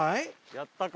やったか？